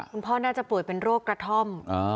คุณพ่อน่าจะป่วยเป็นโรคกระท่อม